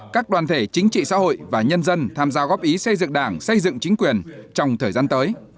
các đoàn thể chính trị xã hội và nhân dân tham gia góp ý xây dựng đảng xây dựng chính quyền trong thời gian tới